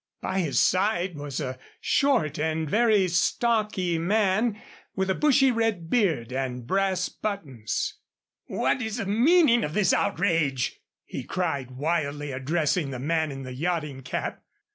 By his side was a short and very stocky man with a bushy red beard and brass buttons. "What is the meaning of this outrage?" he cried, wildly addressing the man in the yachting cap.